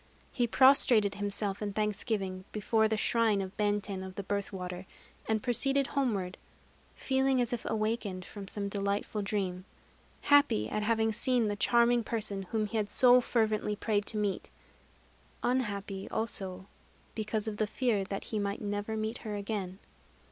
He prostrated himself in thanksgiving before the shrine of Benten of the Birth Water, and proceeded homeward, feeling as if awakened from some delightful dream, happy at having seen the charming person whom he had so fervently prayed to meet, unhappy also because of the fear that he might never meet her again.